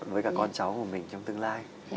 với cả con cháu của mình trong tương lai